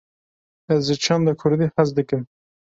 Ez ji çanda kurdî hez dikim.